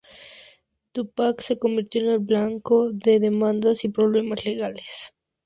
Tupac se convirtió en el blanco de demandas y problemas legales.